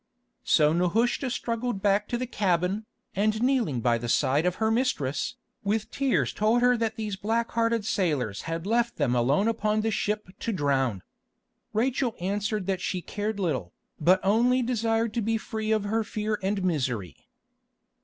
So Nehushta struggled back to the cabin, and kneeling by the side of her mistress, with tears told her that these black hearted sailors had left them alone upon the ship to drown. Rachel answered that she cared little, but only desired to be free of her fear and misery.